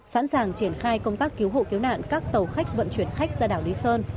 sẵn sàng triển khai công tác cứu hộ cứu nạn các tàu khách vận chuyển khách ra đảo lý sơn